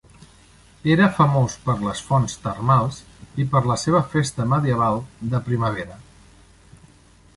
Era famós per les fonts termals i per la seva festa medieval de primavera.